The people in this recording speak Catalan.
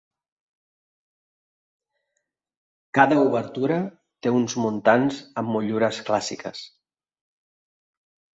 Cada obertura té uns muntants amb motllures clàssiques.